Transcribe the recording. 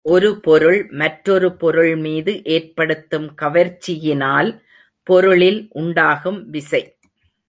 ஒரு பொருள் மற்றொரு பொருள்மீது ஏற்படுத்தும் கவர்ச்சியினால் பொருளில் உண்டாகும் விசை.